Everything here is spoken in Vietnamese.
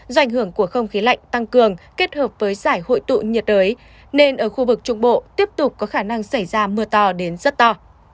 do ảnh hưởng của không khí lạnh tăng cường kết hợp với giải hội tụ nhiệt đới nên ở khu vực trung bộ tiếp tục có khả năng xảy ra mưa to đến rất to